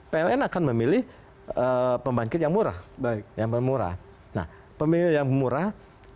pln akan memilih pembangkit yang murah baik yang memurah pemilihan murah